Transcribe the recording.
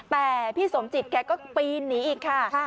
แต่พี่สมจิตแกก็ปีนหนีอีกค่ะ